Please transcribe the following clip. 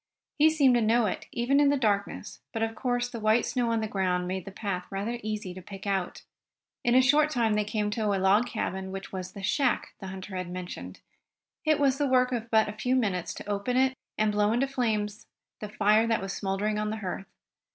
He seemed to know it, even in the darkness, but of course the white snow on the ground made the path rather easy to pick out. In a short time they came to a log cabin, which was the "shack" the hunter had mentioned. It was the work of but a few minutes to open it, and blow into flames the fire that was smouldering on the hearth.